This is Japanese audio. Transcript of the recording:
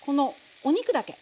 お肉だけ。